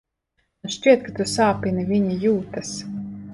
Man šķiet, ka tu sāpini viņa jūtas.